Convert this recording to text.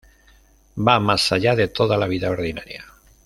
Va más allá de toda la vida ordinaria.